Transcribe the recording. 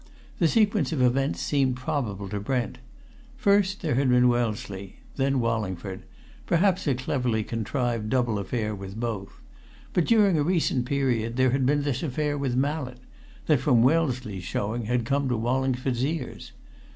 The sequence of events seemed probable to Brent. First there had been Wellesley; then Wallingford; perhaps a cleverly contrived double affair with both. But during a recent period there had been this affair with Mallett that, from Wellesley's showing, had come to Wallingford's ears.